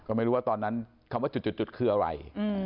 ก็ไม่รู้ว่าตอนนั้นคำว่าจุดคืออะไร